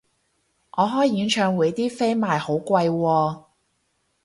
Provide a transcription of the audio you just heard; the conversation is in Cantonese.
我開演唱會啲飛賣好貴喎